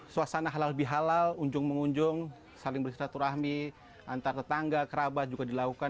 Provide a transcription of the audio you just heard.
suasana halal bihalal unjung mengunjung saling bersilaturahmi antar tetangga kerabat juga dilakukan